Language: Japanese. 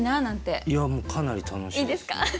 いやもうかなり楽しいですよ。